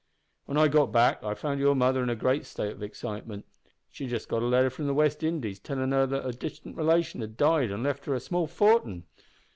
"When I got back I found your mother in a great state of excitement. She'd just got a letter from the West Indies, tellin' her that a distant relation had died an' left her a small fortin!